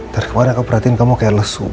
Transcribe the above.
terus kemarin aku perhatiin kamu kayak lesu